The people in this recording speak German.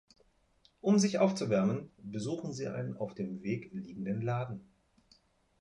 Um sich aufzuwärmen, besuchen sie einen auf dem Weg liegenden Laden.